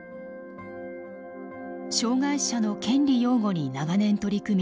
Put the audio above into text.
障害者の権利擁護に長年取り組み